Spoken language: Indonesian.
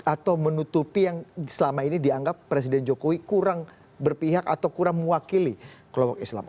atau menutupi yang selama ini dianggap presiden jokowi kurang berpihak atau kurang mewakili kelompok islam